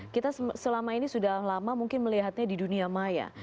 kita selama ini sudah lama mungkin melihatnya di dunia maya